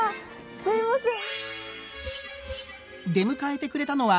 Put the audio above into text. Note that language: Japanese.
すいません。